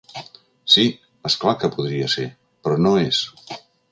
Sí, és clar que podria ser… Però no és!